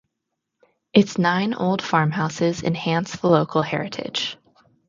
Its nine old farmhouses enhance the local heritage.